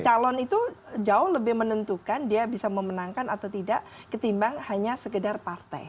calon itu jauh lebih menentukan dia bisa memenangkan atau tidak ketimbang hanya sekedar partai